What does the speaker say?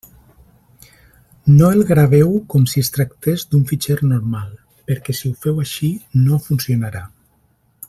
No el graveu com si es tractés d'un fitxer normal, perquè si ho feu així NO FUNCIONARÀ.